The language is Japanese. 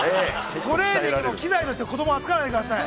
トレーニングの器材として子供を扱わないでください。